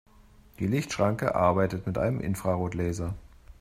Die Lichtschranke arbeitet mit einem Infrarotlaser.